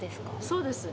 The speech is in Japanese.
そうです。